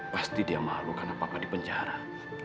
pasti dia malu karena papa di penjara